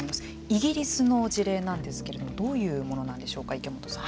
イギリスの事例なんですけれどもどういうものなんでしょうか池本さん。